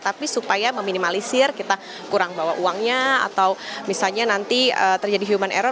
tapi supaya meminimalisir kita kurang bawa uangnya atau misalnya nanti terjadi human error